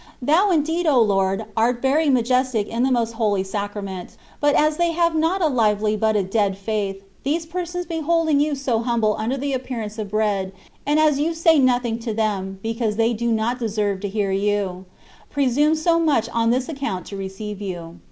Thou, indeed, O Lord ! art very majestic in the Most Holy Sacrament ; but as they have not a lively but a dead faith, these persons behold ing you so humble under the appearance of bread, and as you say nothing to them, because they do CONCEPTIONS OP DIVINE LOVE. 283 not deserve to hear you, presume so mueli on this account to receive you.